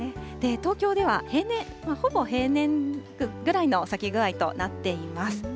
東京では、平年、ほぼ平年ぐらいの咲き具合となっています。